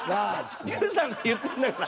流さんが言ってんだから。